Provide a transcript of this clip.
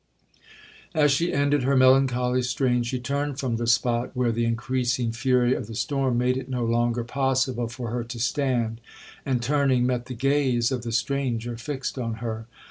'As she ended her melancholy strain, she turned from the spot where the increasing fury of the storm made it no longer possible for her to stand, and turning, met the gaze of the stranger fixed on her.